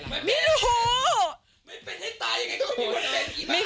ไม่เป็นให้ตายยังไงก็ไม่เป็น